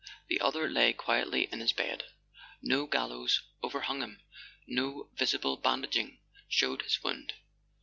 . The other lay quietly in his bed. No gallows over¬ hung him, no visible bandaging showed his wound.